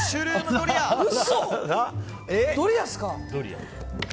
ドリアですか？